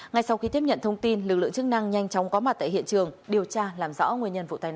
ngay sau khi tiếp nhận thông tin lực lượng chức năng nhanh chóng có mặt tại hiện trường điều tra làm rõ nguyên nhân vụ tai nạn